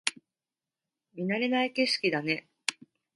見慣れない景色だね